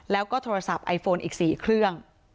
แล้วก็โทรศัพท์ไอโฟนอีก๔เครื่อง